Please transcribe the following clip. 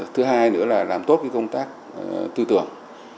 thứ hai nữa là làm tốt công tác tư tưởng